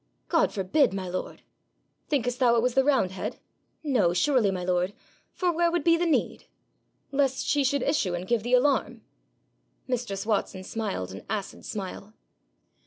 'God forbid, my lord!' 'Thinkest thou. it was the roundhead?' 'No, surely, my lord, for where would be the need?' 'Lest she should issue and give the alarm.' Mistress Watson smiled an acid smile.